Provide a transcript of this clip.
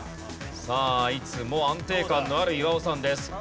さあいつも安定感のある岩尾さんです。